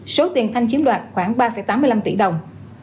số tiền thanh chiếm đoạt khoảng ba tám mươi năm tỷ đồng